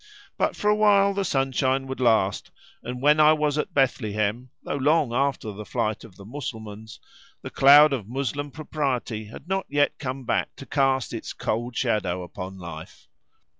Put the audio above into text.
But for a while the sunshine would last, and when I was at Bethlehem, though long after the flight of the Mussulmans, the cloud of Moslem propriety had not yet come back to cast its cold shadow upon life.